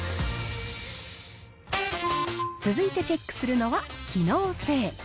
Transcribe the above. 続いてチェックするのは機能性。